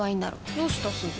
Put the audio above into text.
どうしたすず？